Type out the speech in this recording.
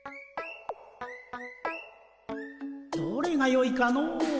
どれがよいかの。